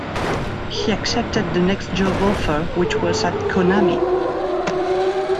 He accepted the next job offer, which was at Konami.